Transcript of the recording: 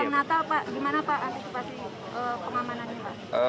gimana pak antisipasi pengamanannya